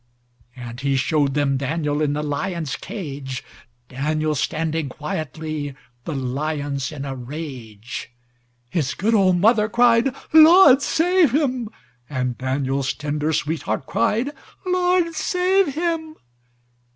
And he showed them Daniel in the lion's cage. Daniel standing quietly, the lions in a rage. His good old mother cried:—"Lord save him."And Daniel's tender sweetheart cried:—"Lord save him."